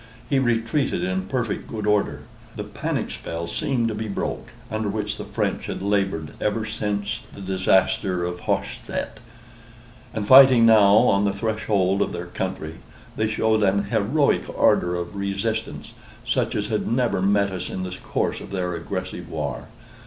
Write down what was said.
He retreated in perfect good order; the panic spell seemed to be broke, under which the French had labored ever since the disaster of Hochstedt; and, fighting now on the threshold of their country, they showed an heroic ardor of resistance, such as had never met us in the course of their aggressive war.